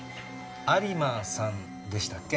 有馬さんでしたっけ？